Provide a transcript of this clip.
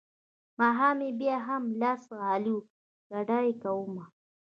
ماښام مې بيا هم لاس خالي وي ګدايي کومه.